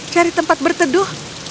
cari tempat berteduh